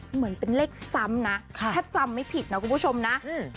เหมือนเป็นเลขซ้ำนะค่ะถ้าจำไม่ผิดนะคุณผู้ชมนะอืม